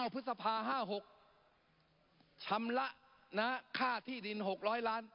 พฤษภา๕๖ชำระค่าที่ดิน๖๐๐ล้าน